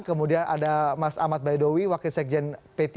kemudian ada mas ahmad baidowi wakil sekjen p tiga